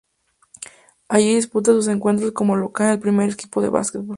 Allí disputa sus encuentros como local el primer equipo de básquet.